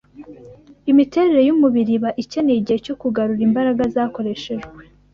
Imiterere y’umubiri iba ikeneye igihe cyo kugarura imbaraga zakoreshejwe.